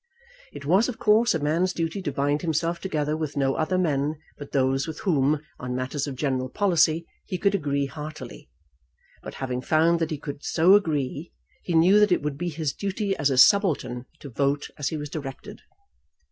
It was of course a man's duty to bind himself together with no other men but those with whom, on matters of general policy, he could agree heartily; but having found that he could so agree, he knew that it would be his duty as a subaltern to vote as he was directed.